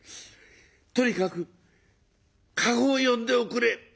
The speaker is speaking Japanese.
とにかく駕籠を呼んでおくれ」。